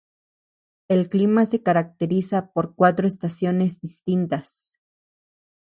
El clima se caracteriza por cuatro estaciones distintas.